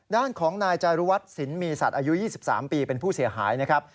ด้านของนายจารุวัฒน์สินมีสัตว์อายุ๒๓ปีเป็นผู้เสียหายนะครับ